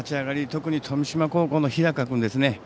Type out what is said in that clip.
特に富島高校の日高君ですね。